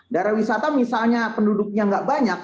daerah wisata misalnya penduduknya nggak banyak